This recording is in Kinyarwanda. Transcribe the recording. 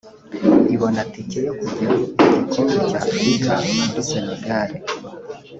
ibona itike yo kujya mu gikombe cya Afurika muri Senegal